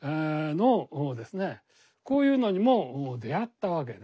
こういうのにも出会ったわけで。